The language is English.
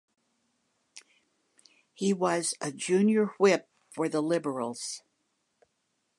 He was a junior whip for the Liberals.